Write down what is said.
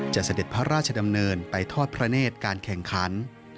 เสด็จพระราชดำเนินไปทอดพระเนธการแข่งขัน